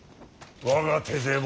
我が手勢も。